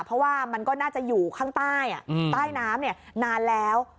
เพราะว่ามันก็น่าจะอยู่ข้างใต้ใต้น้ำนานแล้ว